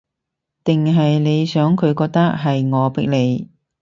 定係你想佢覺得，係我逼你